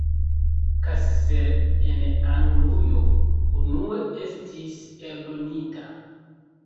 Cassell en Anglujo unue estis eldonita.